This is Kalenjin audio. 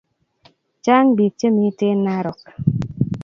Chang pik che miten narok